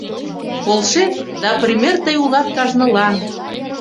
«Полшет да пример тый улат кажнылан».